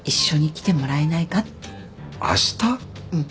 うん。